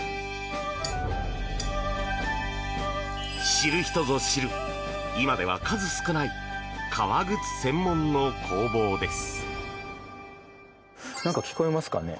知る人ぞ知る、今では数少ない革靴専門の工房です。